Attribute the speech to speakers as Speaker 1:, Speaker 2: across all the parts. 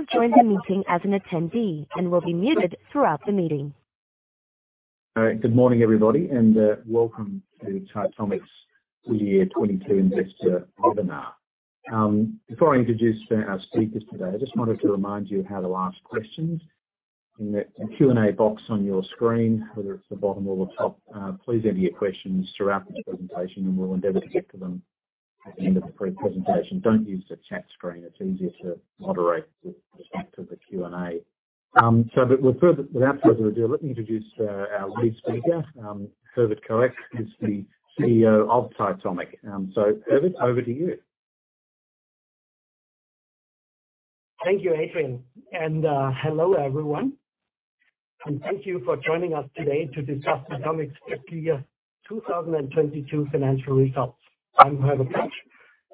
Speaker 1: You have joined the meeting as an attendee and will be muted throughout the meeting. All right. Good morning, everybody, and welcome to Titomic's Full Year 2022 Investor Webinar. Before I introduce our speakers today, I just wanted to remind you how to ask questions. In the Q&A box on your screen, whether it's the bottom or the top, please enter your questions throughout this presentation, and we'll endeavor to get to them at the end of the presentation. Don't use the chat screen. It's easier to moderate the Q&A. Without further ado, let me introduce our lead speaker. Herbert Koeck is the CEO of Titomic. Herbert, over to you.
Speaker 2: Thank you, Adrian, and hello, everyone. Thank you for joining us today to discuss Titomic's Fiscal Year 2022 Financial Results. I'm Herbert Koeck,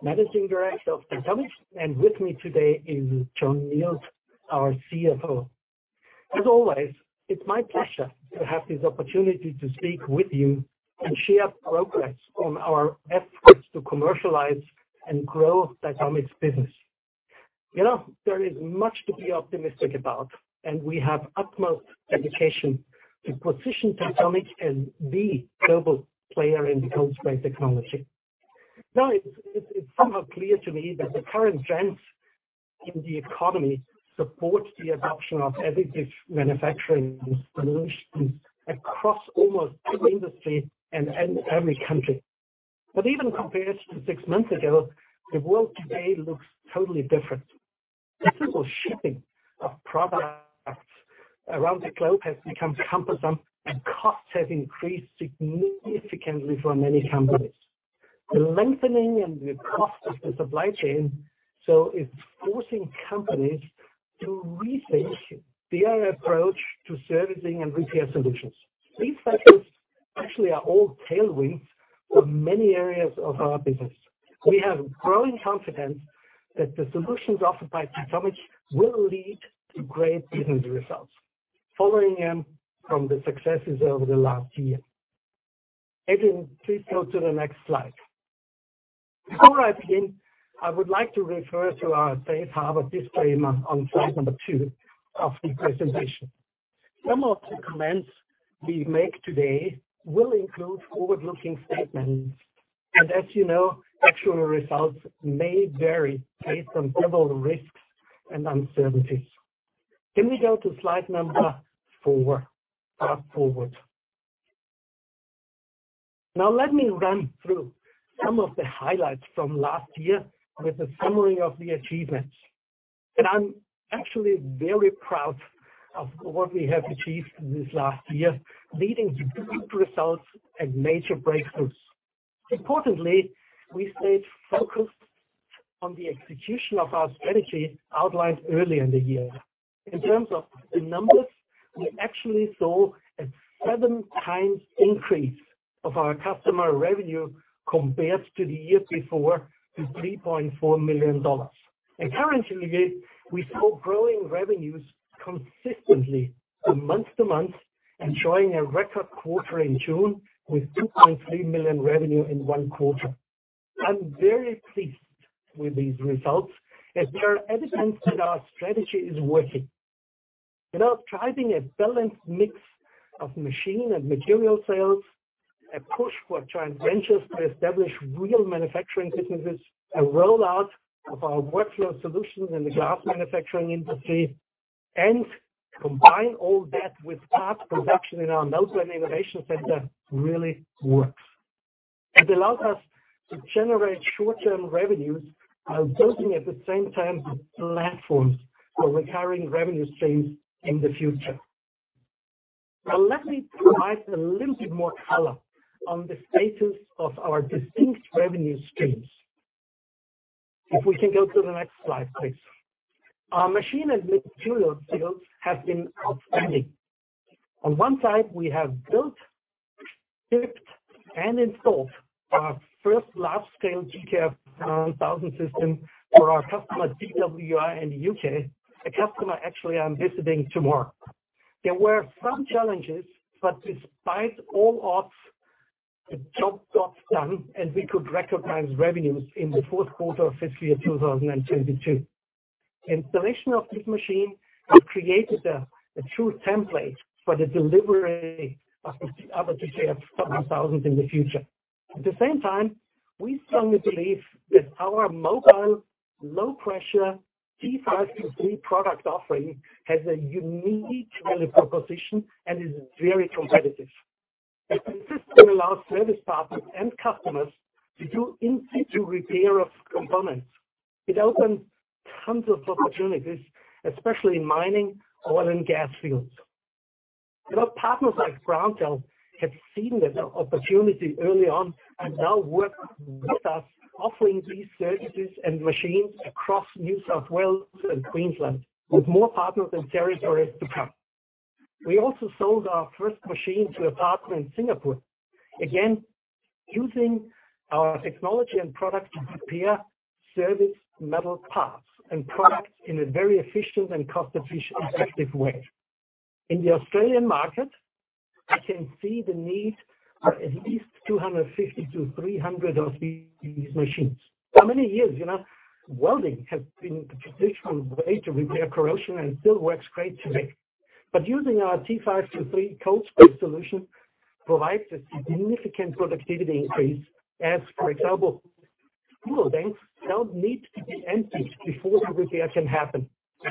Speaker 2: Managing Director of Titomic, and with me today is Jon Nield, our CFO. As always, it's my pleasure to have this opportunity to speak with you and share progress on our efforts to commercialize and grow Titomic's business. You know, there is much to be optimistic about, and we have utmost dedication to position Titomic as the global player in the cold spray technology. Now, it's somehow clear to me that the current trends in the economy support the adoption of additive manufacturing solutions across almost every industry and every country. Even compared to six months ago, the world today looks totally different. The simple shipping of products around the globe has become cumbersome, and costs have increased significantly for many companies. The lengthening and the cost of the supply chain, so it's forcing companies to rethink their approach to servicing and repair solutions. These factors actually are all tailwinds for many areas of our business. We have growing confidence that the solutions offered by Titomic will lead to great business results following in from the successes over the last year. Adrian, please go to the next slide. Before I begin, I would like to refer to our safe harbor disclaimer on slide number two of the presentation. Some of the comments we make today will include forward-looking statements, and as you know, actual results may vary based on several risks and uncertainties. Can we go to slide number four, 'Path forward?' Now let me run through some of the highlights from last year with a summary of the achievements. I'm actually very proud of what we have achieved in this last year, leading to good results and major breakthroughs. Importantly, we stayed focused on the execution of our strategy outlined earlier in the year. In terms of the numbers, we actually saw a seven times increase of our customer revenue compared to the year before, to 3.4 million dollars. Currently, we saw growing revenues consistently from month to month, enjoying a record quarter in June with 2.3 million revenue in one quarter. I'm very pleased with these results, as they are evidence that our strategy is working. You know, driving a balanced mix of machine and material sales, a push for joint ventures to establish real manufacturing businesses, a rollout of our workflow solutions in the glass manufacturing industry, and combine all that with parts production in our Melbourne Innovation Center really works. It allows us to generate short-term revenues while building at the same time platforms for recurring revenue streams in the future. Now, let me provide a little bit more color on the status of our distinct revenue streams. If we can go to the next slide, please. Our machine and material sales have been outstanding. On one side, we have built, shipped, and installed our first large-scale TKF 7000 system for our customer TWI in the U.K. A customer actually I'm visiting tomorrow. There were some challenges, but despite all odds, the job got done, and we could recognize revenues in the fourth quarter of fiscal year 2022. Installation of this machine has created a true template for the delivery of other TKF 7000s in the future. At the same time, we strongly believe that our mobile low-pressure D523 product offering has a unique value proposition and is very competitive. The system allows service partners and customers to do in-situ repair of components. It opens tons of opportunities, especially in mining, oil, and gas fields. You know, partners like Groundhorc have seen this opportunity early on and now work with us offering these services and machines across New South Wales and Queensland, with more partners and territories to come. We also sold our first machine to a partner in Singapore, again, using our technology and product to repair service metal parts and products in a very efficient and cost-effective way. In the Australian market, I can see the need for at least 250-300 of these machines. For many years, you know, welding has been the traditional way to repair corrosion and still works great today. Using our D523 cold spray solution provides a significant productivity increase as, for example, fuel tanks don't need to be emptied before the repair can happen. The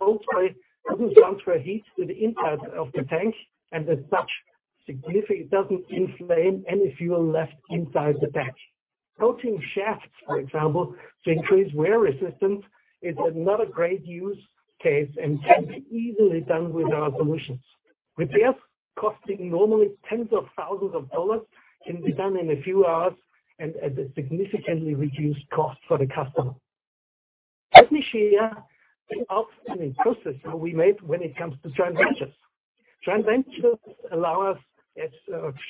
Speaker 2: cold spray doesn't transfer heat to the inside of the tank, and as such, significantly doesn't inflame any fuel left inside the tank. Coating shafts, for example, to increase wear resistance is another great use case and can be easily done with our solutions. Repairs costing normally AUD tens of thousands can be done in a few hours and at a significantly reduced cost for the customer. Let me share the outstanding process that we made when it comes to joint ventures. Joint ventures allow us, as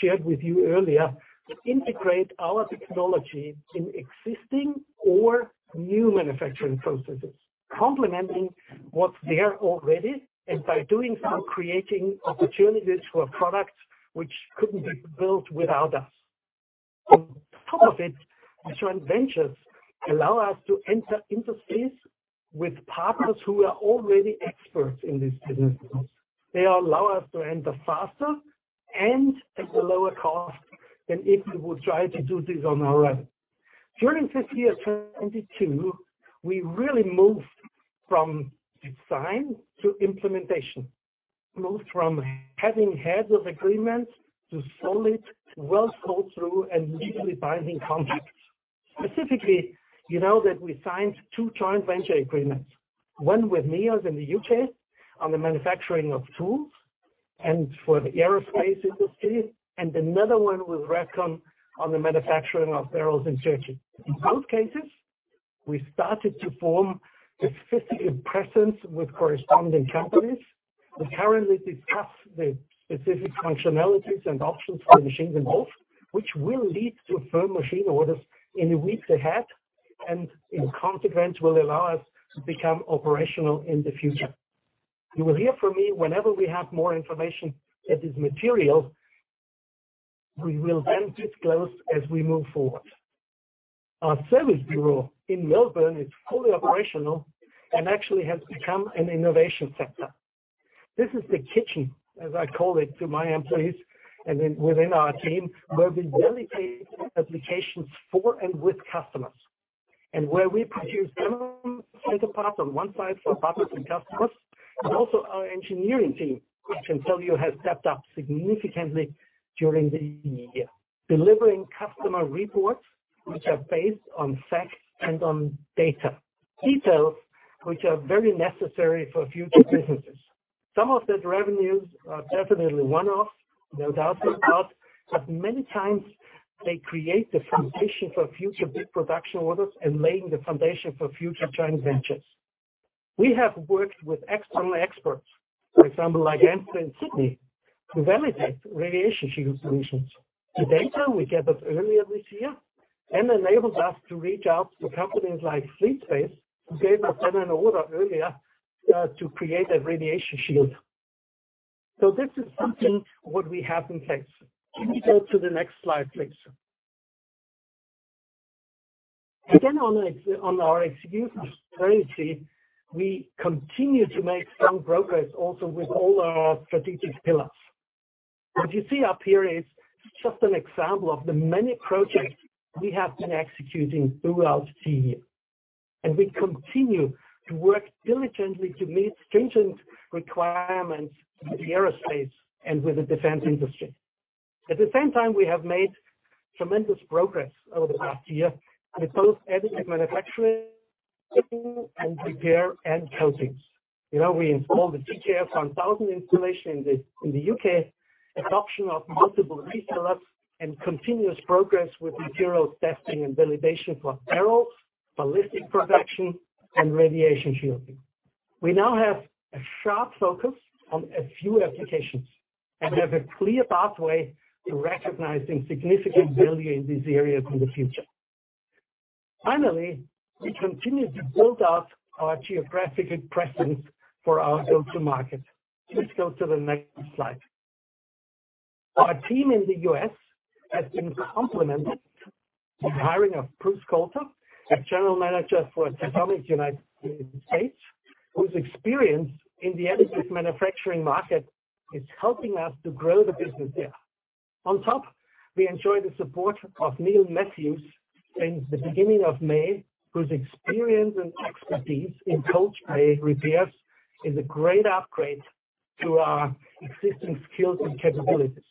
Speaker 2: shared with you earlier, to integrate our technology in existing or new manufacturing processes, complementing what's there already, and by doing so, creating opportunities for products which couldn't be built without us. On top of it, our joint ventures allow us to enter industries with partners who are already experts in these businesses. They allow us to enter faster and at a lower cost than if we would try to do this on our own. During this year, 2022, we really moved from design to implementation. Moved from having heads of agreements to solid, well-thought-through, and legally binding contracts. Specifically, you know that we signed two joint venture agreements, one with Neos in the U.K. on the manufacturing of tools and for the aerospace industry, and another one with Repkon on the manufacturing of barrels and charges. In both cases, we started to form a physical presence with corresponding companies. We currently discuss the specific functionalities and options for the machines involved, which will lead to firm machine orders in the weeks ahead, and in consequence, will allow us to become operational in the future. You will hear from me whenever we have more information that is material. We will then disclose as we move forward. Our service bureau in Melbourne is fully operational and actually has become an innovation center. This is the kitchen, as I call it, to my employees and then within our team, where we validate applications for and with customers and where we produce demo center parts on one side for partners and customers, and also our engineering team, which I can tell you, has stepped up significantly during the year, delivering customer reports which are based on facts and on data. Details which are very necessary for future businesses. Some of these revenues are definitely one-off, no doubt about, but many times they create the foundation for future big production orders and laying the foundation for future joint ventures. We have worked with external experts, for example, like ANSTO in Sydney, to validate radiation shield solutions. The data we gathered earlier this year then enables us to reach out to companies like Fleet Space, who gave us then an order earlier, to create a radiation shield. This is something what we have in place. Can you go to the next slide, please? Again, on our execution strength, we continue to make strong progress also with all our strategic pillars. What you see up here is just an example of the many projects we have been executing throughout the year, and we continue to work diligently to meet stringent requirements with the aerospace and with the defense industry. At the same time, we have made tremendous progress over the past year with both additive manufacturing and repair and coatings. You know, we installed the TKF 1000 installation in the U.K., adoption of multiple resellers, and continuous progress with materials testing and validation for barrels, ballistic protection, and radiation shielding. We now have a sharp focus on a few applications and have a clear pathway to recognizing significant value in these areas in the future. Finally, we continue to build out our geographic presence for our go-to-market. Please go to the next slide. Our team in the U.S. has been complemented with the hiring of Bruce Colter, general manager for Titomic United States, whose experience in the additive manufacturing market is helping us to grow the business there. On top, we enjoy the support of Neil Matthews since the beginning of May, whose experience and expertise in cold spray repairs is a great upgrade to our existing skills and capabilities.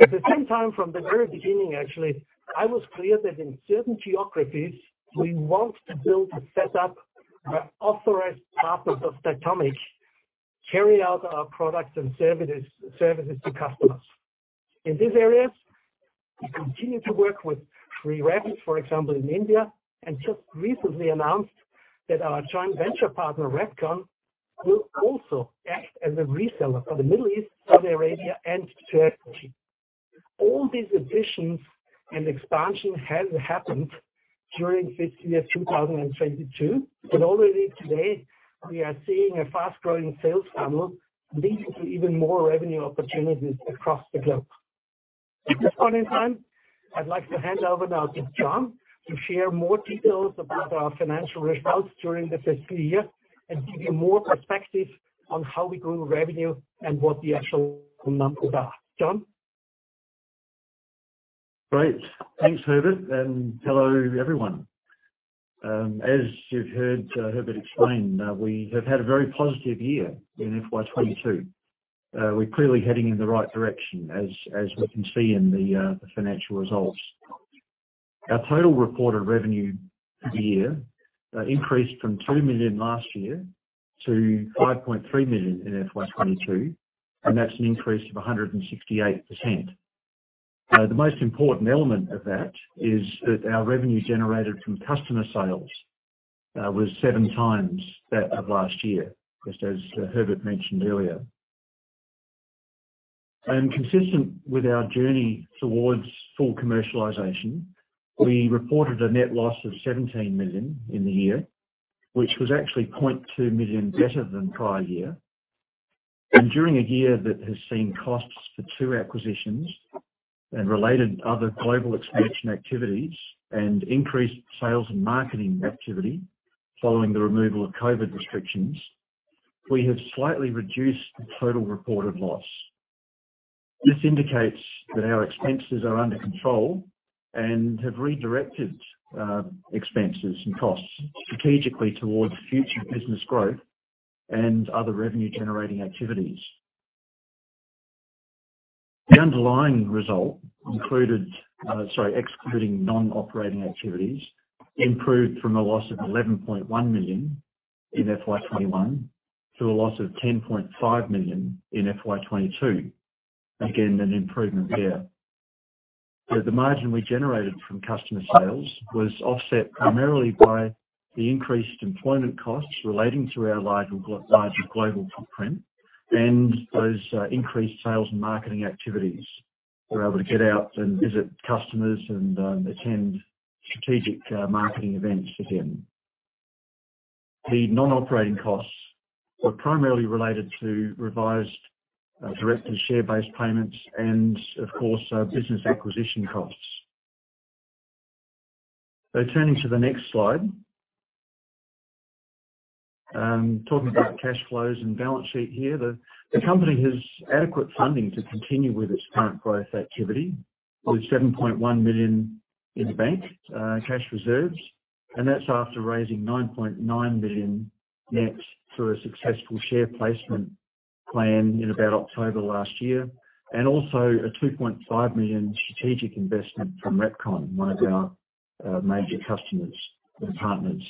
Speaker 2: At the same time, from the very beginning, actually, I was clear that in certain geographies we want to build and set up our authorized partners of Titomic, carry our products and services to customers. In these areas, we continue to work with Shree Rapid Technologies, for example, in India, and just recently announced that our joint venture partner, Repkon, will also act as a reseller for the Middle East, Saudi Arabia, and Turkey. All these additions and expansion has happened during fiscal year 2022. Already today, we are seeing a fast-growing sales funnel leading to even more revenue opportunities across the globe. At this point in time, I'd like to hand over now to Jon to share more details about our financial results during the fiscal year and give you more perspective on how we grew revenue and what the actual numbers are. Jon?
Speaker 3: Great. Thanks, Herbert, and hello, everyone. As you've heard, Herbert explain, we have had a very positive year in FY 2022. We're clearly heading in the right direction as we can see in the financial results. Our total reported revenue for the year increased from 2 million last year to 5.3 million in FY 2022, and that's an increase of 168%. The most important element of that is that our revenue generated from customer sales was seven times that of last year, just as Herbert mentioned earlier. Consistent with our journey towards full commercialization, we reported a net loss of 17 million in the year, which was actually 0.2 million better than prior year. During a year that has seen costs for two acquisitions and related other global expansion activities and increased sales and marketing activity following the removal of COVID restrictions, we have slightly reduced the total reported loss. This indicates that our expenses are under control and have redirected expenses and costs strategically towards future business growth and other revenue-generating activities. The underlying result, excluding non-operating activities, improved from a loss of 11.1 million in FY 2021 to a loss of 10.5 million in FY 2022. Again, an improvement there. The margin we generated from customer sales was offset primarily by the increased employment costs relating to our larger global footprint and those increased sales and marketing activities. We're able to get out and visit customers and attend strategic marketing events again. The non-operating costs were primarily related to revised director share-based payments and, of course, business acquisition costs. Turning to the next slide, talking about cash flows and balance sheet here. The company has adequate funding to continue with its current growth activity, with 7.1 million in the bank, cash reserves, and that's after raising 9.9 million net through a successful share placement plan in about October last year, and also a 2.5 million strategic investment from Repkon, one of our major customers and partners.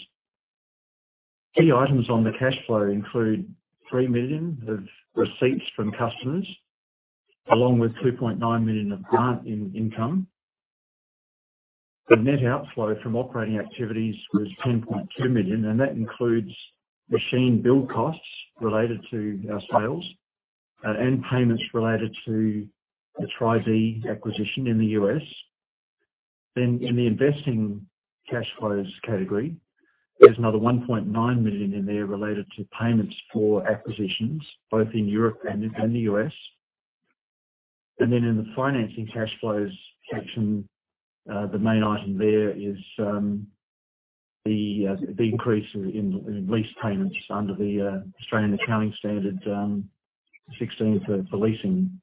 Speaker 3: Key items on the cash flow include 3 million of receipts from customers, along with 2.9 million of grant income. The net outflow from operating activities was 10.2 million, and that includes machine build costs related to our sales, and payments related to the Tri-D acquisition in the U.S. In the investing cash flows category, there's another 1.9 million in there related to payments for acquisitions, both in Europe and in the U.S. In the financing cash flows section, the main item there is the increase in lease payments under the Australian Accounting Standard 16 for leasing.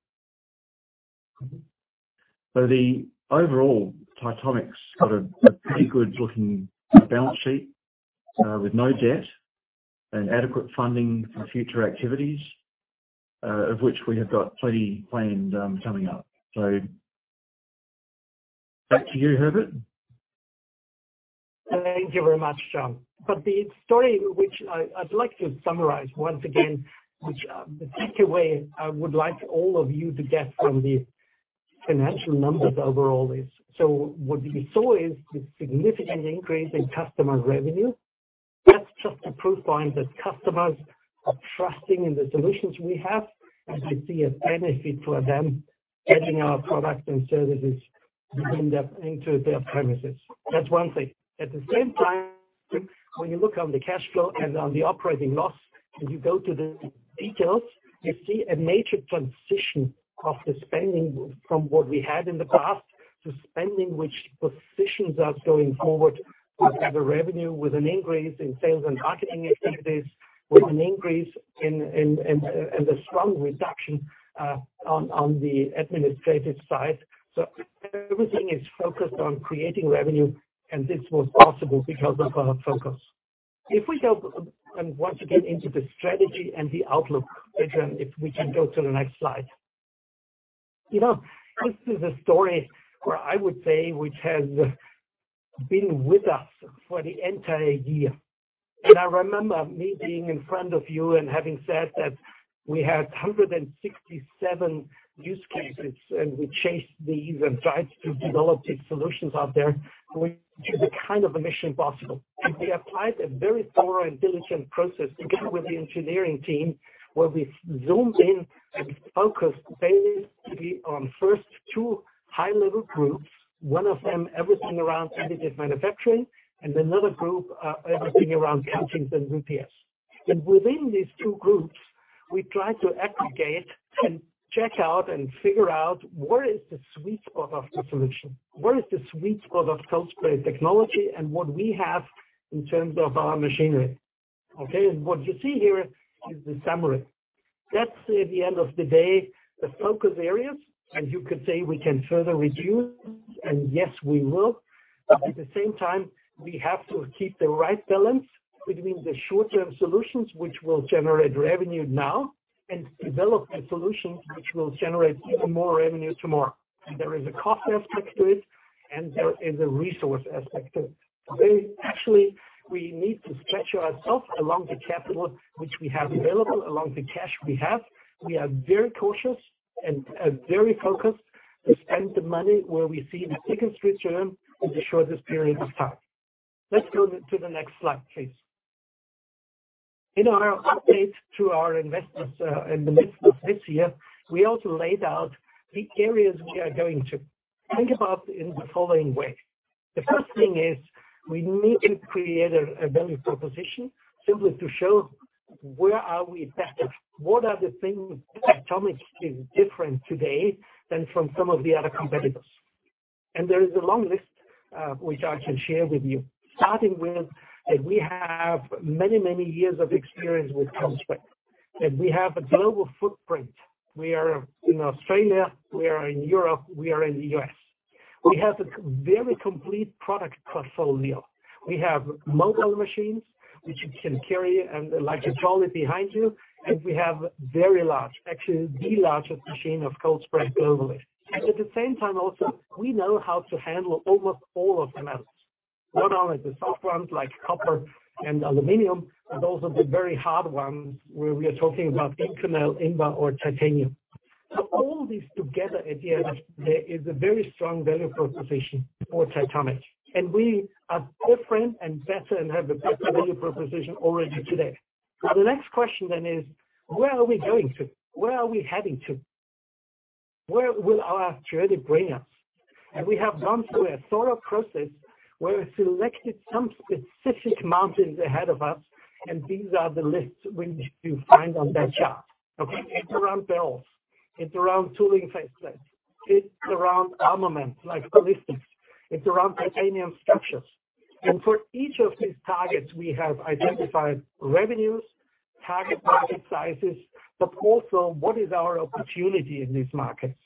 Speaker 3: The overall, Titomic got a pretty good looking balance sheet with no debt and adequate funding for future activities of which we have got plenty planned coming up. Back to you, Herbert.
Speaker 2: Thank you very much, Jon. The story I'd like to summarize once again, the takeaway I would like all of you to get from the financial numbers overall is what we saw is the significant increase in customer revenue. That's just a proof point that customers are trusting in the solutions we have, and they see a benefit for them getting our products and services into their premises. That's one thing. At the same time, when you look on the cash flow and on the operating loss, and you go to the details, you see a major transition of the spending from what we had in the past to spending which positions us going forward with the revenue, with an increase in sales and marketing activities, with an increase in and a strong reduction on the administrative side. Everything is focused on creating revenue, and this was possible because of our focus. If we go once again into the strategy and the outlook, Adrian, if we can go to the next slide. You know, this is a story where I would say which has been with us for the entire year. I remember me being in front of you and having said that we had 167 use cases, and we chased these and tried to develop these solutions out there. We did a kind of a mission possible. We applied a very thorough and diligent process together with the engineering team, where we zoomed in and focused basically on first two high-level groups. One of them, everything around additive manufacturing, and another group, everything around coatings and VPS. Within these two groups, we tried to aggregate and check out and figure out where is the sweet spot of the solution, where is the sweet spot of cold spray technology and what we have in terms of our machinery. Okay. What you see here is the summary. That's, at the end of the day, the focus areas, and you could say we can further reduce, and yes, we will. At the same time, we have to keep the right balance between the short-term solutions, which will generate revenue now, and develop the solutions which will generate even more revenue tomorrow. There is a cost aspect to it, and there is a resource aspect to it. Basically, actually, we need to stretch ourselves along the capital which we have available, along the cash we have. We are very cautious and very focused to spend the money where we see the quickest return in the shortest period of time. Let's go to the next slide, please. In our update to our investors in the midst of this year, we also laid out the areas we are going to think about in the following way. The first thing is we need to create a value proposition simply to show where are we better, what are the things that Titomic is different today than from some of the other competitors. There is a long list which I can share with you. Starting with that we have many, many years of experience with cold spray, that we have a global footprint. We are in Australia, we are in Europe, we are in the U.S. We have a very complete product portfolio. We have mobile machines which you can carry and like a trolley behind you, and we have very large, actually the largest machine of cold spray globally. At the same time also, we know how to handle almost all of the metals. Not only the soft ones like copper and aluminum, but also the very hard ones where we are talking about Inconel, Invar or titanium. All this together at the end, there is a very strong value proposition for Titomic, and we are different and better and have a better value proposition already today. Now the next question then is where are we going to? Where are we heading to? Where will our strategy bring us? We have gone through a thorough process where we selected some specific mountains ahead of us, and these are the lists which you find on that chart. Okay? It's around barrels, it's around tooling face plates, it's around armaments like ballistics, it's around titanium structures. For each of these targets, we have identified revenues, target market sizes, but also what is our opportunity in these markets.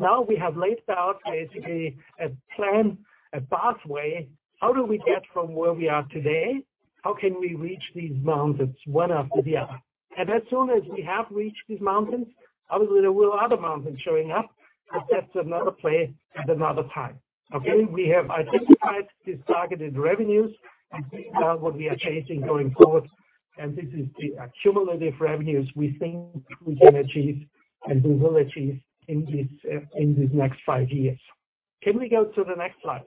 Speaker 2: Now we have laid out basically a plan, a pathway, how do we get from where we are today, how can we reach these mountains one after the other. As soon as we have reached these mountains, obviously there will other mountains showing up, but that's another play at another time. Okay? We have identified these targeted revenues, and this is what we are chasing going forward, and this is the accumulative revenues we think we can achieve and we will achieve in this, in these next five years. Can we go to the next slide?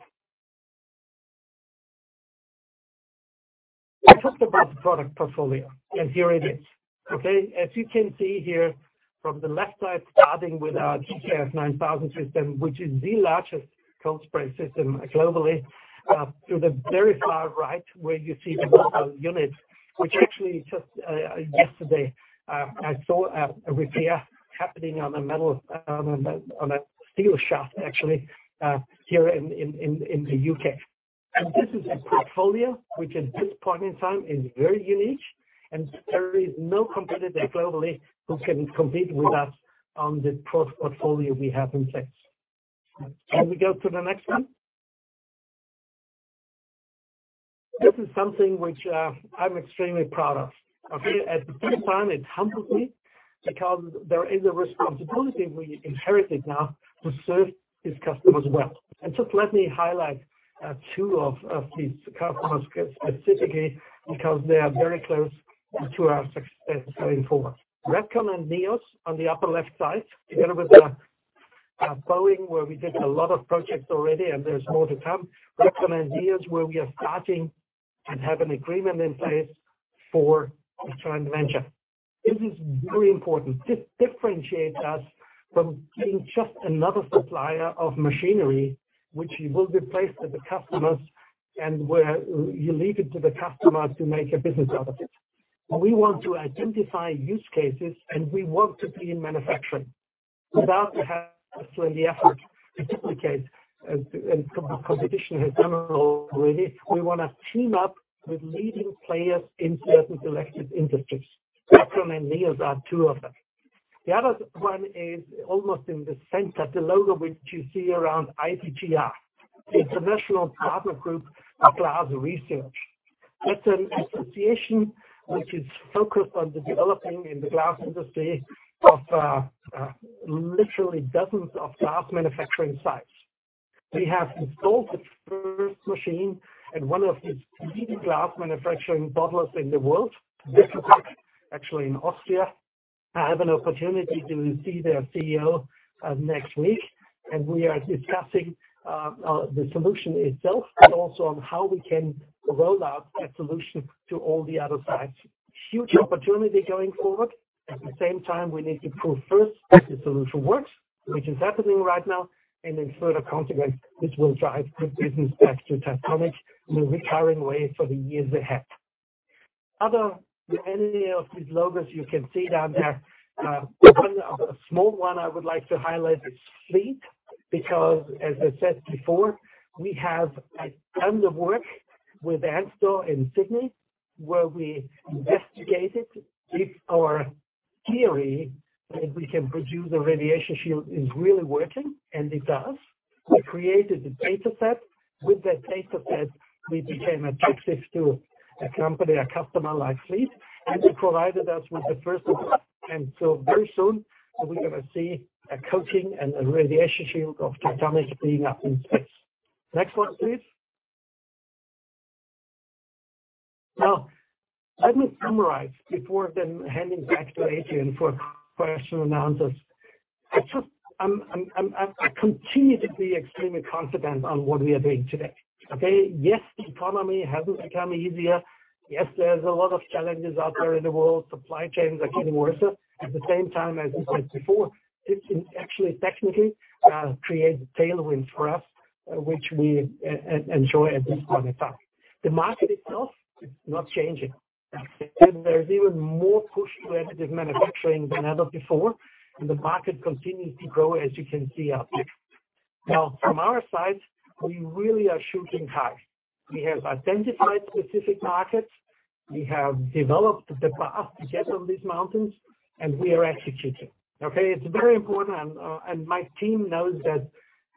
Speaker 2: I talked about the product portfolio, and here it is. Okay? As you can see here, from the left side, starting with our TKF 9000 system, which is the largest cold spray system globally, to the very far right where you see the mobile unit. Which actually just yesterday I saw a repair happening on a steel shaft, actually here in the U.K.. This is a portfolio which at this point in time is very unique, and there is no competitor globally who can compete with us on the portfolio we have in place. Can we go to the next one? This is something which I'm extremely proud of, okay? At the same time, it humbles me because there is a responsibility we inherited now to serve these customers well. Just let me highlight two of these customers specifically because they are very close to our success going forward. Repkon and Neos on the upper left side, together with Boeing, where we did a lot of projects already, and there's more to come. Repkon and Neos, where we are starting and have an agreement in place for a joint venture. This is very important. This differentiates us from being just another supplier of machinery which will be placed at the customers and where you leave it to the customer to make a business out of it. We want to identify use cases, and we want to be in manufacturing. Without perhaps the effort to duplicate as competition has done already, we wanna team up with leading players in certain selected industries. Repkon and Neos are two of them. The other one is almost in the center, the logo which you see around IPGR, International Partners in Glass Research. That's an association which is focused on the development in the glass industry of literally dozens of glass manufacturing sites. We have installed the first machine at one of the leading glass manufacturing bottlers in the world, actually in Austria. I have an opportunity to see their CEO next week, and we are discussing the solution itself and also on how we can roll out that solution to all the other sites. Huge opportunity going forward. At the same time, we need to prove first that the solution works, which is happening right now, and in further consequence, this will drive good business back to Titomic in a recurring way for the years ahead. Many of these logos you can see down there. A small one I would like to highlight is Fleet because, as I said before, we have a ton of work with ANSTO in Sydney, where we investigated if our theory that we can produce a radiation shield is really working, and it does. We created the data set. With that data set, we became attractive to a company, a customer like Fleet, and they provided us with the first 10. So very soon we're gonna see a coating and a radiation shield of Titomic being up in space. Next one, please. Now, let me summarize before then handing back to Adrian for question and answers. I'm continually extremely confident on what we are doing today, okay? Yes, the economy hasn't become easier. Yes, there's a lot of challenges out there in the world. Supply chains are getting worser. At the same time, as we said before, this can actually technically create a tailwind for us, which we enjoy at this point in time. The market itself is not changing. There's even more push to additive manufacturing than ever before, and the market continues to grow, as you can see out there. Now, from our side, we really are shooting high. We have identified specific markets. We have developed the path to get on these mountains, and we are executing. Okay. It's very important. My team knows that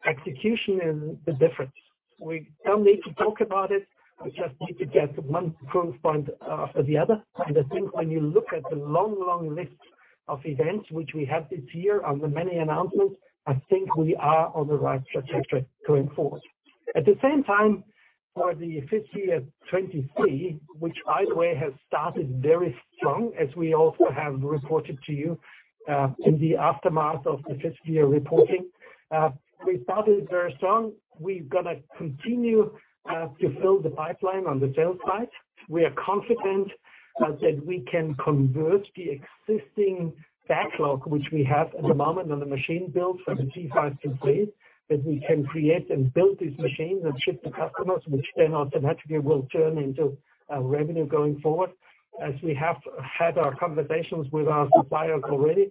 Speaker 2: execution is the difference. We don't need to talk about it. We just need to get one proof point for the other. I think when you look at the long, long list of events which we had this year and the many announcements, I think we are on the right trajectory going forward. At the same time, for FY 2023, which by the way, has started very strong, as we also have reported to you, in the aftermath of the FY reporting. We started very strong. We're gonna continue to fill the pipeline on the sales side. We are confident that we can convert the existing backlog which we have at the moment on the machine build for the FY 2023, that we can create and build these machines and ship to customers, which then automatically will turn into revenue going forward as we have had our conversations with our suppliers already.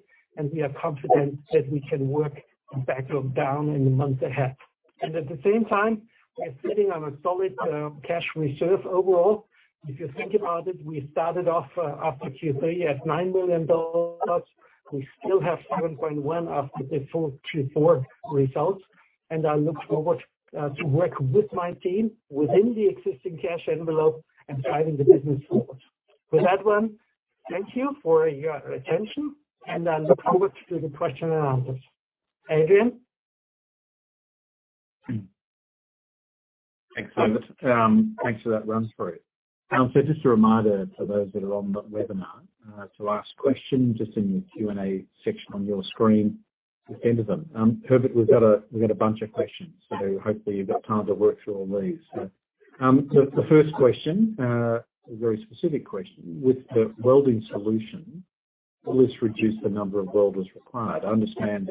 Speaker 2: We are confident that we can work the backlog down in the months ahead. At the same time, we're sitting on a solid cash reserve overall. If you think about it, we started off after Q3 at 9 million dollars. We still have 7.1 after the full Q4 results. I look forward to work with my team within the existing cash envelope and driving the business forward. With that one, thank you for your attention, and I look forward to the question and answers. Adrian?
Speaker 1: Thanks, Herbert. Thanks for that run through. Just a reminder to those that are on the webinar, to ask questions, just in the Q&A section on your screen, send them. Herbert, we've got a bunch of questions. Hopefully you've got time to work through all these. The first question, a very specific question. With the welding solution, will this reduce the number of welders required? I understand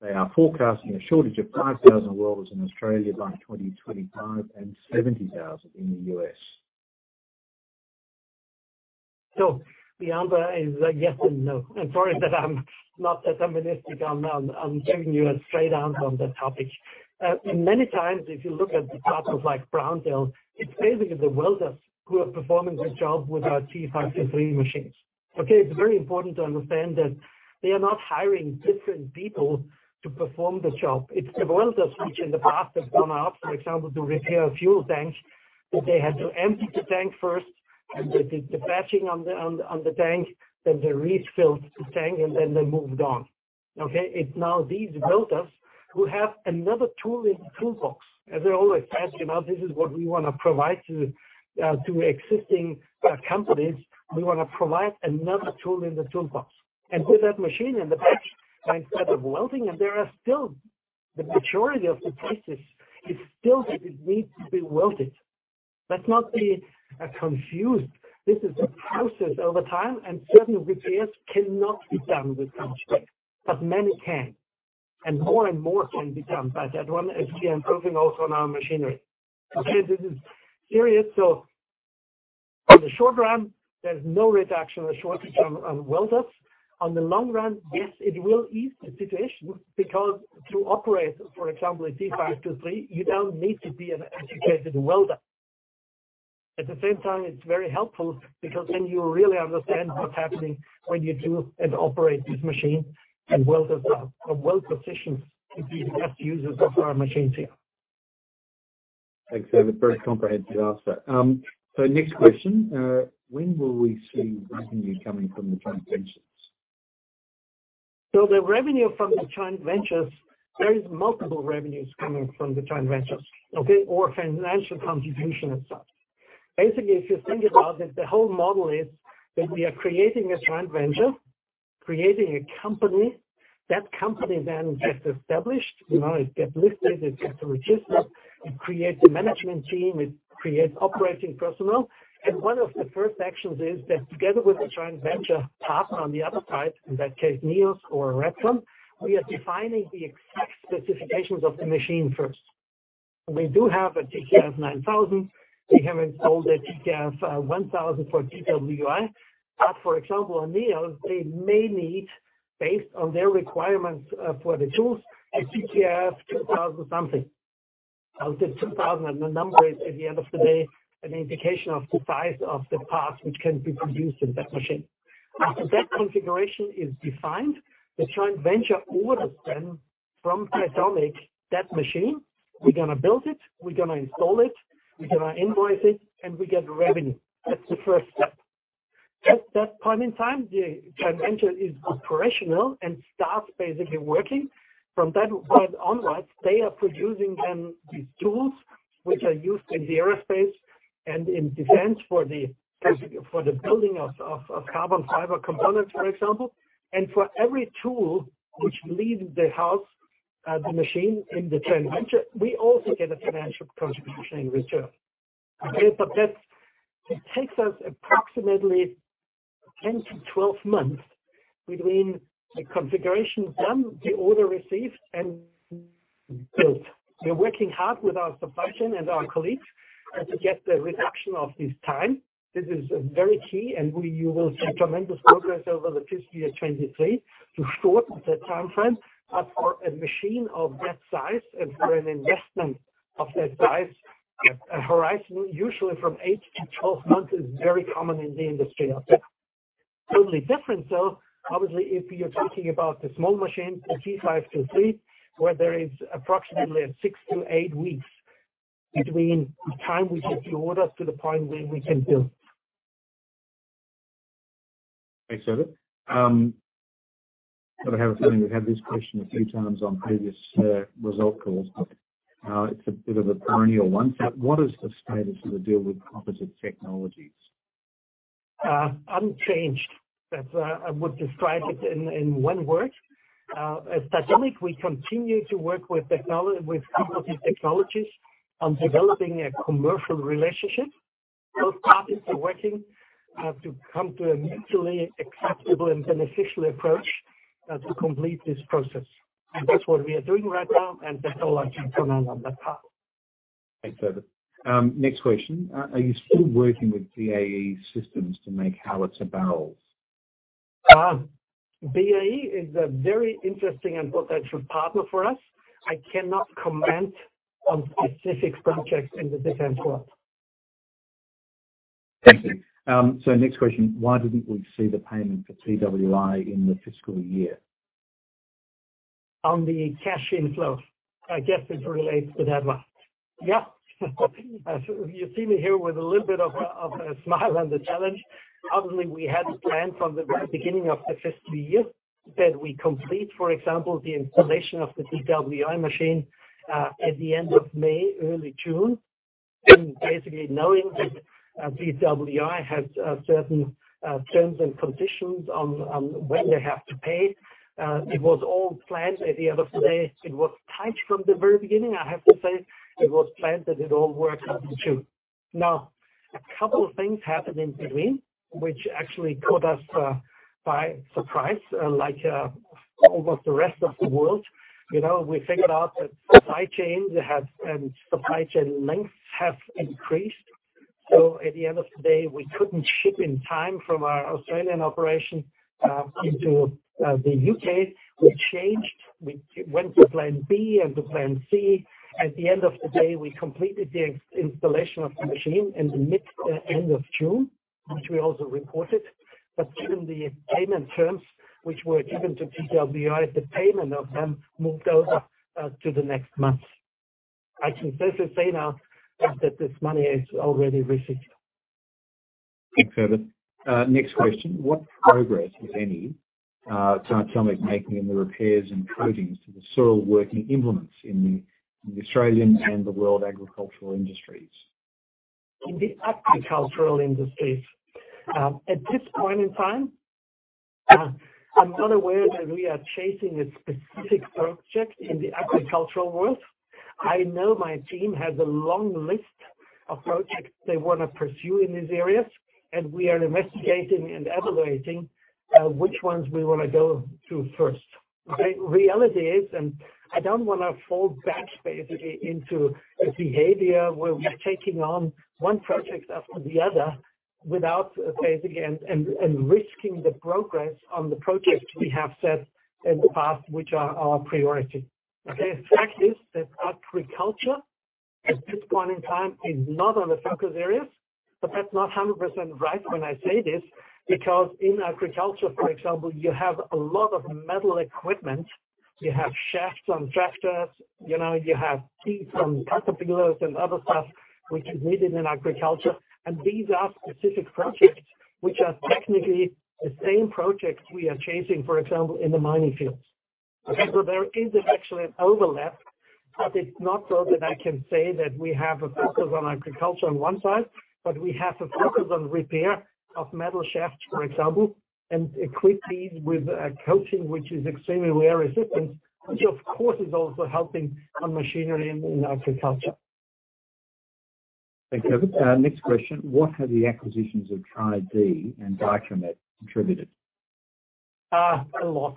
Speaker 1: that they are forecasting a shortage of 5,000 welders in Australia by 2025 and 70,000 in the U.S.
Speaker 2: The answer is yes and no. I'm sorry that I'm not that optimistic. I'm giving you a straight answer on that topic. Many times, if you look at the customers like Brownfield, it's basically the welders who are performing the job with our D523 machines. It's very important to understand that they are not hiring different people to perform the job. It's the welders which in the past have come out, for example, to repair fuel tanks, that they had to empty the tank first and did the patching on the tank, then they refilled the tank, and then they moved on. It's now these welders who have another tool in the toolbox, as I always say. You know, this is what we wanna provide to existing companies. We wanna provide another tool in the toolbox. With that machine in the batch, instead of welding, and there are still the majority of the cases, it still needs to be welded. Let's not be confused. This is a process over time, and certain repairs cannot be done with some machines, but many can. More and more can be done by that one as we are improving also on our machinery. Okay? This is serious so, in the short run, there's no reduction or shortage on welders. On the long run, yes, it will ease the situation because to operate, for example, a D523, you don't need to be an educated welder. At the same time, it's very helpful because then you really understand what's happening when you do and operate this machine. Welders are well positioned to be best users of our machines here.
Speaker 1: Thanks, Herbert. Very comprehensive answer. Next question. When will we see revenue coming from the transactions?
Speaker 2: The revenue from the joint ventures, there is multiple revenues coming from the joint ventures, okay? Or financial contribution as such. Basically, if you think about it, the whole model is that we are creating a joint venture, creating a company. That company then gets established, you know, it gets listed, it gets registered, it creates a management team, it creates operating personnel. One of the first actions is that together with the joint venture partner on the other side, in that case, Neos or Repkon, we are defining the exact specifications of the machine first. We do have a TKF 9000. We haven't sold a TKF 1000 for DWI. But for example, on Neos, they may need, based on their requirements, for the tools, a TKF 2000 something. I'll say 2000, and the number is, at the end of the day, an indication of the size of the parts which can be produced in that machine. After that configuration is defined, the joint venture orders then from Titomic that machine, we're gonna build it, we're gonna install it, we're gonna invoice it, and we get revenue. That's the first step. At that point in time, the joint venture is operational and starts basically working. From that point onwards, they are producing then these tools which are used in the aerospace and in defense for the building of carbon fiber components, for example. For every tool which leaves the house, the machine in the joint venture, we also get a financial contribution in return. Okay? It takes us approximately 10-12 months between the configuration done, the order received, and built. We're working hard with our suppliers and our colleagues to get the reduction of this time. This is very key, and you will see tremendous progress over the fiscal year 2023 to shorten the timeframe. As for a machine of that size and for an investment of that size, a horizon usually from 8-12 months is very common in the industry out there. Totally different, though, obviously, if you're talking about the small machine, the D523, where there is approximately 6-8 weeks between the time we get the order to the point when we can build.
Speaker 1: Thanks, Herbert. I have a feeling we've had this question a few times on previous result calls, but it's a bit of a perennial one. What is the status of the deal with Composite Technology?
Speaker 2: Unchanged. That's, I would describe it in one word. At Titomic, we continue to work with Composite Technology on developing a commercial relationship. Both parties are working to come to a mutually acceptable and beneficial approach to complete this process. That's what we are doing right now, and that's all I can comment on that part.
Speaker 1: Thanks, Herbert. Next question. Are you still working with BAE Systems to make howitzer barrels?
Speaker 2: BAE is a very interesting and potential partner for us. I cannot comment on specific projects in the defense world.
Speaker 1: Thank you. Next question. Why didn't we see the payment for TWI in the fiscal year?
Speaker 2: On the cash inflow. I guess it relates to that one. Yeah. As you see me here with a little bit of a smile and a challenge. Obviously, we had planned from the very beginning of the fiscal year that we complete, for example, the installation of the TWI machine at the end of May, early June. Basically knowing that TWI has certain terms and conditions on when they have to pay, it was all planned. At the end of the day, it was tight from the very beginning, I have to say. It was planned that it all worked out in June. Now, a couple of things happened in between, which actually caught us by surprise, like almost the rest of the world. You know, we figured out that supply chains have and supply chain lengths have increased. At the end of the day, we couldn't ship in time from our Australian operation into the U.K.. We changed. We went to plan B and to plan C. At the end of the day, we completed the installation of the machine in the mid-end of June, which we also reported. Given the payment terms which were given to TWI, the payment of them moved over to the next month. I can safely say now that this money is already received.
Speaker 1: Thanks, Herbert. Next question. What progress, if any, is Titomic making in the repairs and coatings to the soil working implements in the Australian and the world agricultural industries?
Speaker 2: In the agricultural industries, at this point in time, I'm not aware that we are chasing a specific project in the agricultural world. I know my team has a long list of projects they wanna pursue in these areas, and we are investigating and evaluating which ones we wanna go to first. Okay? Reality is, I don't wanna fall back basically into a behavior where we're taking on one project after the other without basically risking the progress on the projects we have set in the past, which are our priority. Okay? Fact is that agriculture, at this point in time, is not on the focus areas. That's not 100% right when I say this, because in agriculture, for example, you have a lot of metal equipment. You have shafts on tractors, you know, you have teeth on caterpillars and other stuff which is needed in agriculture. These are specific projects which are technically the same projects we are chasing, for example, in the mining fields.
Speaker 1: Okay.
Speaker 2: There is actually an overlap, but it's not so that I can say that we have a focus on agriculture on one side, but we have a focus on repair of metal shafts, for example, and equip these with a coating which is extremely wear-resistant, which of course is also helping on machinery in agriculture.
Speaker 1: Thanks, Herbert. Next question. What have the acquisitions of Tri-D and Dycomet contributed?
Speaker 2: A lot.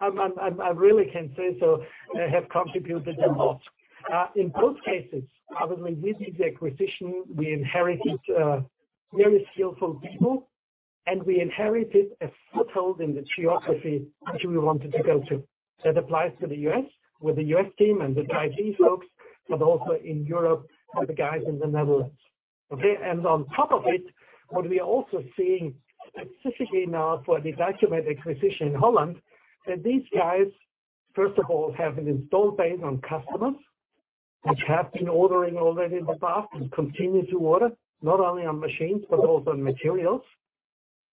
Speaker 2: I really can say so, they have contributed a lot. In both cases, probably with the acquisition, we inherited very skillful people, and we inherited a foothold in the geography which we wanted to go to. That applies to the U.S., with the U.S. team and the Triton folks, but also in Europe with the guys in the Netherlands. Okay. On top of it, what we are also seeing specifically now for the Dycomet acquisition in Holland, that these guys, first of all, have an installed base of customers which have been ordering already in the past and continue to order, not only on machines but also on materials.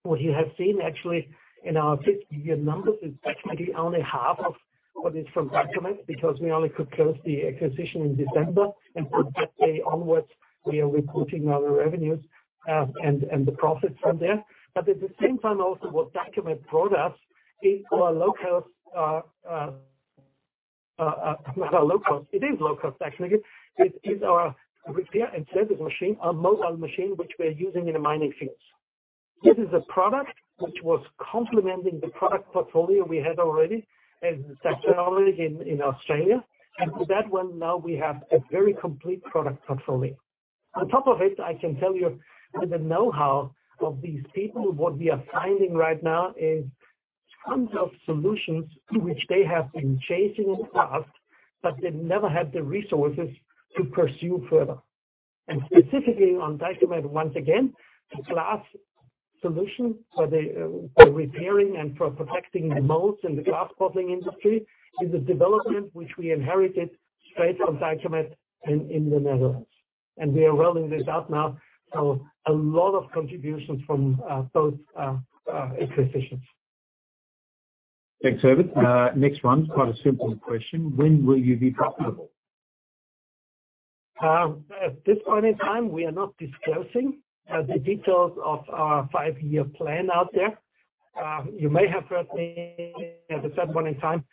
Speaker 2: What you have seen actually in our fifth-year numbers is practically only half of what is from Dycomet, because we only could close the acquisition in December, and from that day onwards, we are reporting our revenues and the profits from there. At the same time also, what Dycomet brought us is low-cost, actually. It is our repair and service machine, our mobile machine, which we're using in the mining fields. This is a product which was complementing the product portfolio we had already, and technology in Australia. With that one now we have a very complete product portfolio. On top of it, I can tell you with the know-how of these people, what we are finding right now is tons of solutions which they have been chasing in the past, but they never had the resources to pursue further. Specifically on Dycomet, once again, the glass solution for the repairing and for protecting the molds in the glass bottling industry is a development which we inherited straight from Dycomet in the Netherlands, and we are rolling this out now. A lot of contributions from both acquisitions.
Speaker 1: Thanks, Herbert. Next one, quite a simple question: When will you be profitable?
Speaker 2: At this point in time, we are not disclosing the details of our five-year plan out there. You may have heard me at a certain point in time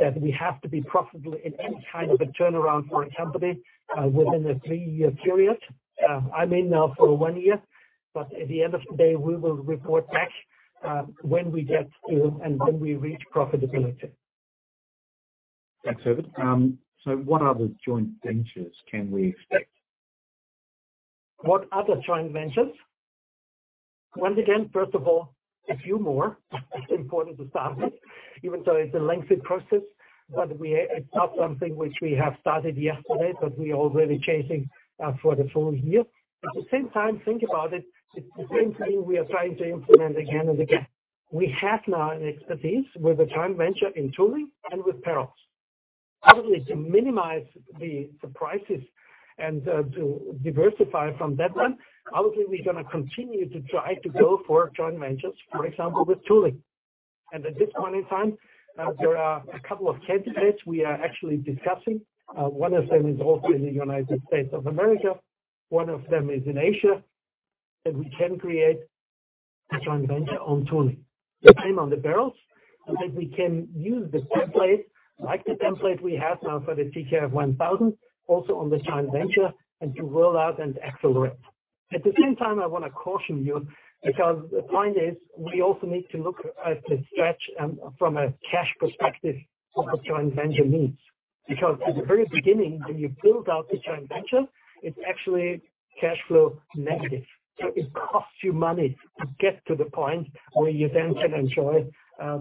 Speaker 2: that we have to be profitable in any kind of a turnaround for a company within a three-year period. I'm in now for one year, but at the end of the day, we will report back when we get to and when we reach profitability.
Speaker 1: Thanks, Herbert. What other joint ventures can we expect?
Speaker 2: What other joint ventures? Once again, first of all, a few more. It's important to start it, even though it's a lengthy process, but it's not something which we have started yesterday, but we're already chasing for the full year. At the same time, think about it's the same thing we are trying to implement again and again. We have now an expertise with the joint venture in tooling and with barrels. Probably to minimize the prices and to diversify from that one, probably we're gonna continue to try to go for joint ventures, for example, with tooling. At this point in time, there are a couple of candidates we are actually discussing. One of them is also in the United States of America, one of them is in Asia, that we can create a joint venture on tooling. The same on the barrels, and that we can use the template, like the template we have now for the TKF 1000, also on the joint venture and to roll out and accelerate. At the same time, I wanna caution you because the point is, we also need to look at the stretch and from a cash perspective of what joint venture means. At the very beginning, when you build out the joint venture, it's actually cash flow negative. It costs you money to get to the point where you then can enjoy,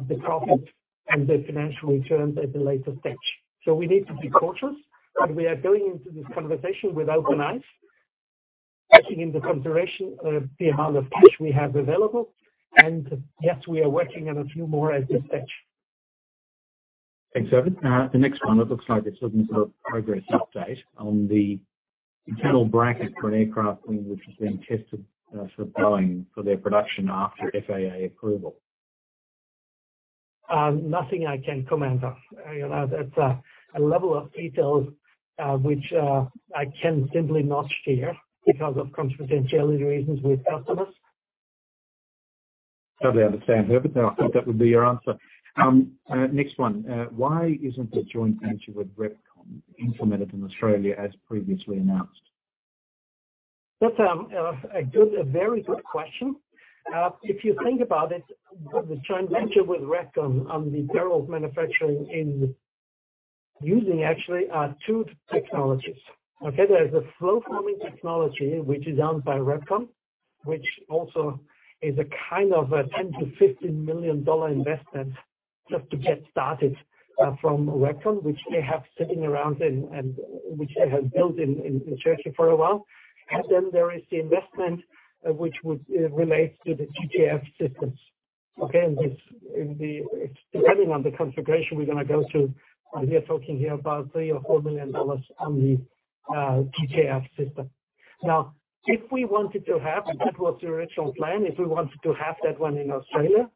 Speaker 2: the profit and the financial returns at the later stage. We need to be cautious, and we are going into this conversation with open eyes, taking into consideration, the amount of cash we have available. Yes, we are working on a few more at this stage.
Speaker 1: Thanks, Herbert. The next one, it looks like it's looking for a progress update on the internal bracket for an aircraft wing which is being tested for Boeing for their production after FAA approval.
Speaker 2: Nothing I can comment on. You know, that's a level of details which I can simply not share because of confidentiality reasons with customers.
Speaker 1: Totally understand, Herbert. I think that would be your answer. Next one. Why isn't the joint venture with Repkon implemented in Australia as previously announced?
Speaker 2: That's a good, a very good question. If you think about it, the joint venture with Repkon on the barrels manufacturing is using actually two technologies. Okay? There's a flow forming technology which is owned by Repkon, which also is a kind of a 10 million- 15 million dollar investment just to get started from Repkon, which they have sitting around and which they have built in Turkey for a while. Then there is the investment which would relates to the TKF systems. Okay. It's depending on the configuration we're gonna go to. We are talking here about 3 million- 4 million dollars on the TKF system. Now, if we wanted to have, and that was the original plan, if we wanted to have that one in Australia,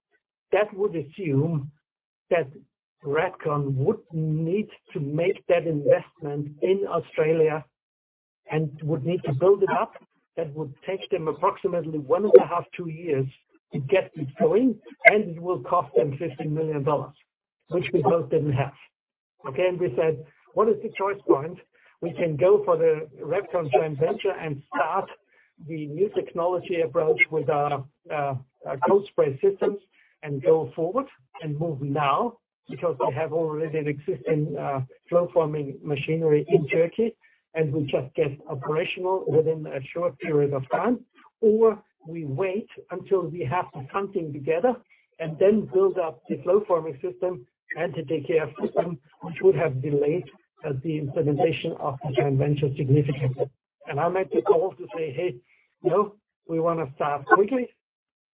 Speaker 2: that would assume that Repkon would need to make that investment in Australia and would need to build it up. That would take them approximately 1.5-2 years to get it going, and it will cost them 50 million dollars, which we both didn't have. Okay? We said, "What is the choice point? We can go for the Repkon joint venture and start the new technology approach with our cold spray systems and go forward and move now because we have already an existing flow forming machinery in Turkey, and we just get operational within a short period of time. We wait until we have something together and then build up the flow forming system and the DPF system, which would have delayed the implementation of the joint venture significantly. I made the call to say, "Hey, no, we wanna start quickly.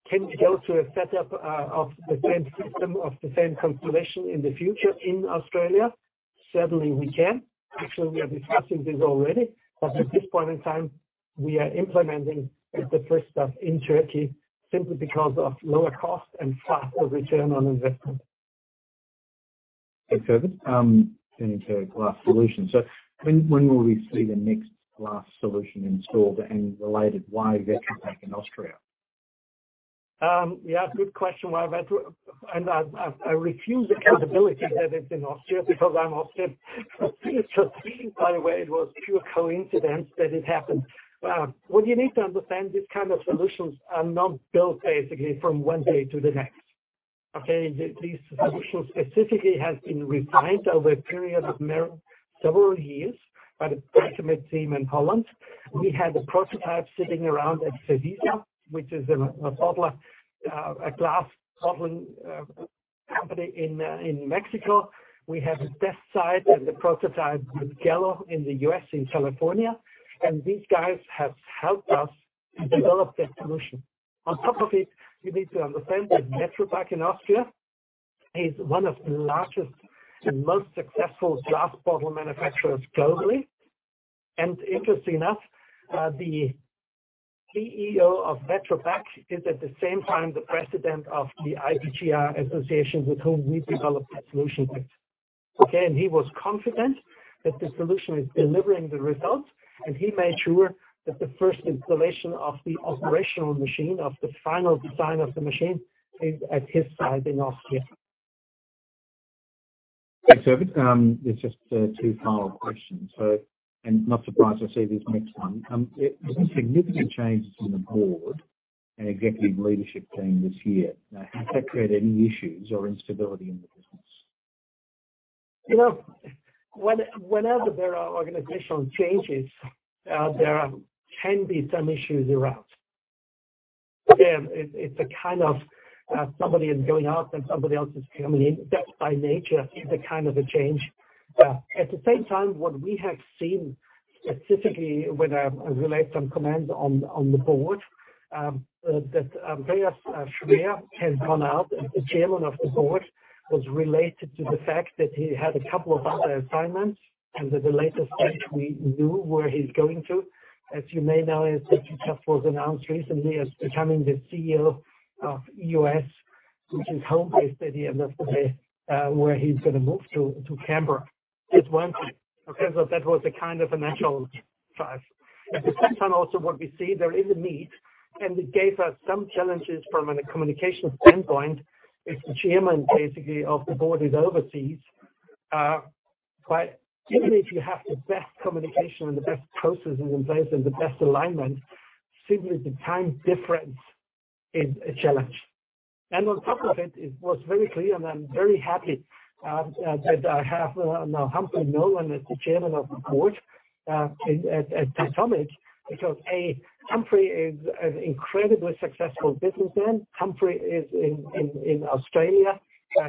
Speaker 2: Can we go to a setup of the same system, of the same constellation in the future in Australia?" Certainly, we can. Actually, we are discussing this already, but at this point in time, we are implementing the first step in Turkey simply because of lower cost and faster return on investment.
Speaker 1: Thanks, Herbert. Turning to glass solutions. When will we see the next glass solution installed, and related, why Vetropack in Austria?
Speaker 2: Yeah, good question. I refuse accountability that it's in Austria because I'm Austrian. By the way, it was pure coincidence that it happened. What you need to understand, these kind of solutions are not built basically from one day to the next. Okay. These solutions specifically have been refined over a period of several years by the Plasmateam in Holland. We had a prototype sitting around at Cedisa, which is a bottler, a glass bottling company in Mexico. We have a test site and a prototype with Gallo in the U.S., in California. These guys have helped us develop that solution. On top of it, you need to understand that Vetropack in Austria is one of the largest and most successful glass bottle manufacturers globally. Interestingly enough, the CEO of Vetropack is at the same time the president of the IPGR association with whom we developed that solution with. Okay? He was confident that the solution is delivering the results, and he made sure that the first installation of the operational machine, of the final design of the machine is at his site in Austria.
Speaker 1: Thanks, Herbert. There's just two follow-up questions. Not surprised to see this next one. There's been significant changes in the board and executive leadership team this year. Now, has that created any issues or instability in the business?
Speaker 2: You know, whenever there are organizational changes, there can be some issues around. Again, it's a kind of, somebody is going out and somebody else is coming in. That by nature is a kind of a change. At the same time, what we have seen specifically when I relate some comments on the board, that Andreas Schwer has gone out as the Chairman of the Board, was related to the fact that he had a couple of other assignments. At the latest date, we knew where he's going to. As you may know, it was announced recently as becoming the CEO of EOS, which is home-based at the end of the day, where he's gonna move to Canberra. It's one thing. Okay. That was a kind of a natural drive. At the same time, also what we see, there is a need, and it gave us some challenges from a communication standpoint, if the Chairman basically of the Board is overseas. But even if you have the best communication and the best processes in place and the best alignment, simply the time difference is a challenge. On top of it was very clear, and I'm very happy that I have now Humphrey Nolan as the Chairman of the Board at Titomic. Because, A, Humphrey is an incredibly successful businessman. Humphrey is in Australia.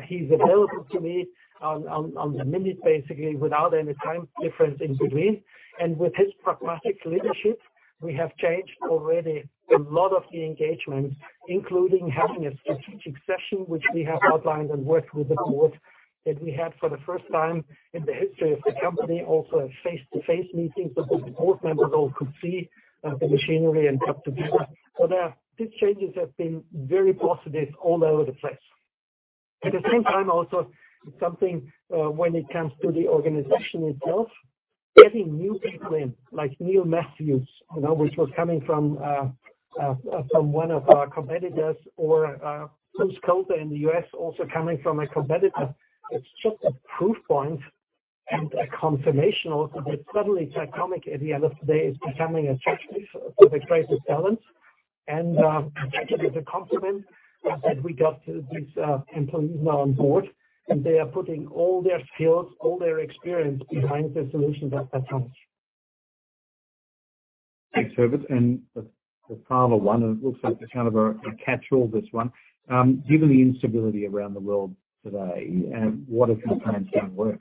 Speaker 2: He's available to me on demand, basically, without any time difference in between. With his pragmatic leadership, we have changed already a lot of the engagement, including having a strategic session, which we have outlined and worked with the board, that we had for the first time in the history of the company, also a face-to-face meeting so the board members all could see the machinery and talk together. These changes have been very positive all over the place. At the same time, also, something when it comes to the organization itself, getting new people in, like Neil Matthews, you know, which was coming from from one of our competitors or Bruce Colter in the US also coming from a competitor. It's just a proof point and a confirmation also that suddenly Titomic, at the end of the day, is becoming attractive for the greatest talent. Actually, it's a compliment that we got these employees now on board, and they are putting all their skills, all their experience behind the solutions at Titomic.
Speaker 1: Thanks, Herbert. The final one, and it looks like it's kind of a catchall, this one. Given the instability around the world today, what is your plan B work?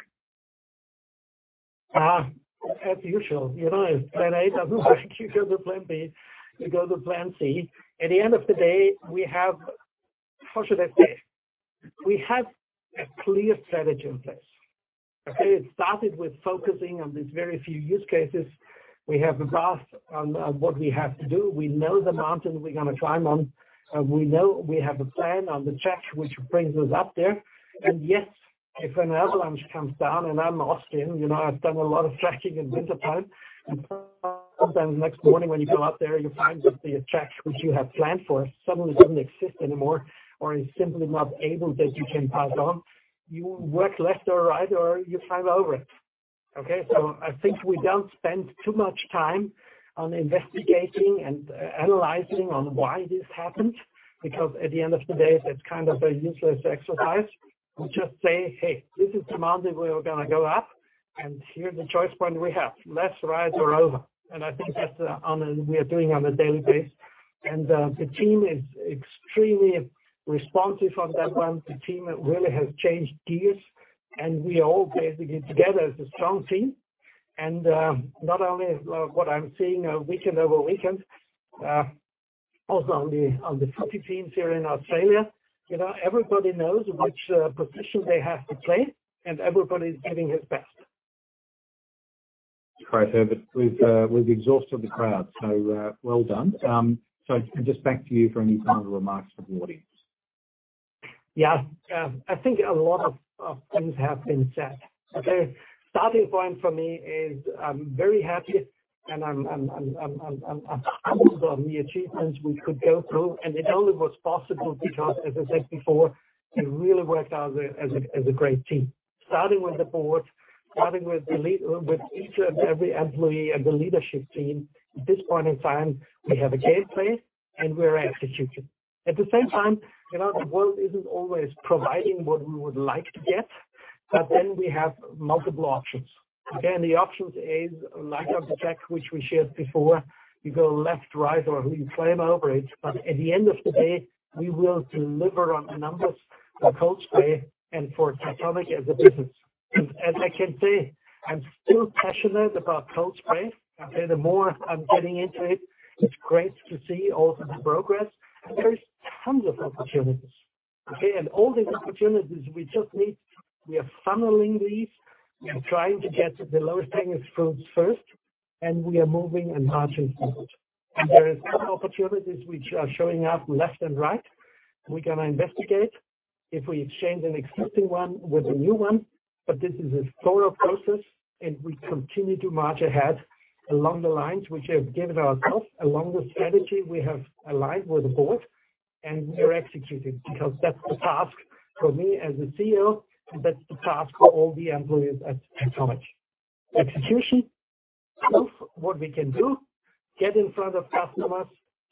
Speaker 2: As usual, you know, if plan A doesn't work, you go to plan B, you go to plan C. At the end of the day, we have. How should I say? We have a clear strategy in place. Okay? It started with focusing on these very few use cases. We have a grasp on what we have to do. We know the mountain we're gonna climb on, and we know we have a plan on the track which brings us up there. Yes, if an avalanche comes down, and I'm lost in, you know, I've done a lot of trekking in wintertime. Sometimes the next morning when you go out there, you find that the tracks which you had planned for suddenly doesn't exist anymore or is simply not able that you can pass on. You work left or right or you climb over it. Okay? I think we don't spend too much time on investigating and analyzing on why this happened, because at the end of the day, that's kind of a useless exercise. We just say, "Hey, this is the mountain we are gonna go up, and here's the choice point we have left, right or over." I think that's how we are doing on a daily basis. The team is extremely responsive on that one. The team really has changed gears, and we are all basically together as a strong team. Not only what I'm seeing week in, week out over the weekend, also on the footy teams here in Australia. You know, everybody knows which position they have to play, and everybody's giving his best.
Speaker 1: Great, Herbert. We've exhausted the crowd, so, well done. Just back to you for any final remarks for the audience.
Speaker 2: Yeah. I think a lot of things have been said. Okay? Starting point for me is I'm very happy, and I'm humbled on the achievements we could go through. It only was possible because, as I said before, we really worked as a great team, starting with the board, with each and every employee and the leadership team. At this point in time, we have a game plan, and we're executing. At the same time, you know, the world isn't always providing what we would like to get, but then we have multiple options. Okay? The options is like on the track which we shared before. You go left, right, or we climb over it. At the end of the day, we will deliver on the numbers for Coatsworth and for Titomic as a business. As I can say, I'm still passionate about Coatsworth. Okay? The more I'm getting into it's great to see all of the progress. There's tons of opportunities. Okay? All these opportunities we just need. We are funneling these. We are trying to get the lowest hanging fruits first, and we are moving and marching forward. There is other opportunities which are showing up left and right. We're gonna investigate if we exchange an existing one with a new one, but this is a slower process, and we continue to march ahead along the lines which have given ourselves, along the strategy we have aligned with the board, and we are executing because that's the task for me as a CEO, and that's the task for all the employees at Titomic. Execution, prove what we can do, get in front of customers,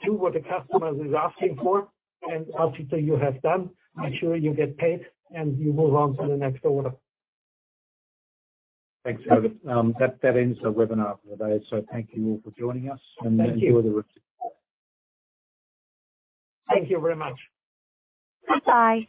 Speaker 2: do what the customer is asking for, and as you say, you have done, make sure you get paid, and you move on to the next order.
Speaker 1: Thanks, Herbert. That ends the webinar for the day. Thank you all for joining us.
Speaker 2: Thank you.
Speaker 1: Enjoy the rest.
Speaker 2: Thank you very much.
Speaker 1: Bye-bye.